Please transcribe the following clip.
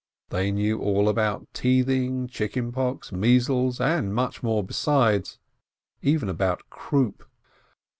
They knew all about teething, chicken pox, measles, and more besides, even about croup.